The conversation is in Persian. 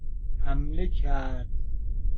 حمله کرد